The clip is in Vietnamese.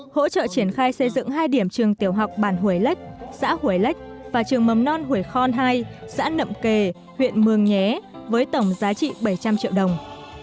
hỗ trợ triển khai xây dựng hai điểm trường tiểu học bản huế lách xã huế lách và trường mầm non huế khon hai xã nậm kề huyện mường nhé với tổng giá trị bảy trăm linh triệu đồng